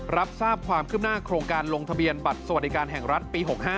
รับทราบความคืบหน้าโครงการลงทะเบียนบัตรสวัสดิการแห่งรัฐปี๖๕